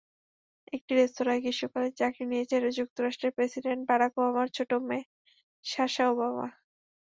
একটি রেস্তোরাঁয় গ্রীষ্মকালীন চাকরি নিয়েছে যুক্তরাষ্ট্রের প্রেসিডেন্ট বারাক ওবামার ছোট মেয়ে সাশা ওবামা।